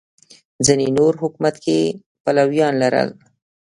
ځینې نور حکومت کې پلویان لرل